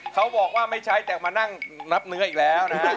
เขาบอกว่าไม่ใช้แต่มานั่งนับเนื้ออีกแล้วนะฮะ